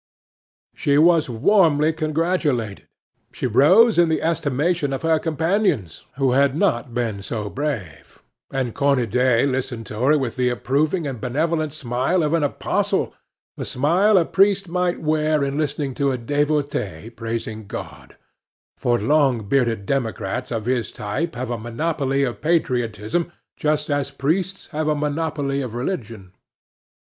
She was warmly congratulated. She rose in the estimation of her companions, who had not been so brave; and Cornudet listened to her with the approving and benevolent smile of an apostle, the smile a priest might wear in listening to a devotee praising God; for long bearded democrats of his type have a monopoly of patriotism, just as priests have a monopoly of religion.